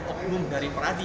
oknum dari pradi